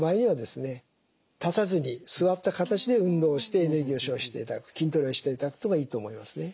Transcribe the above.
立たずに座った形で運動をしてエネルギーを消費していただく筋トレをしていただくというのがいいと思いますね。